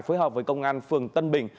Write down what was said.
phối hợp với công an phường tân bình